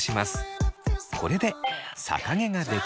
これで逆毛ができます。